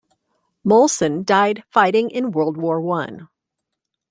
Molson died fighting in World War One.